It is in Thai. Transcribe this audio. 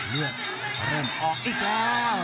เลือดเริ่มออกอีกแล้ว